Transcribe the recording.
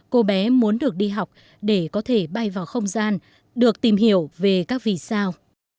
cô bé muốn được đi học để có thể bay vào không gian được tìm hiểu về các vì sao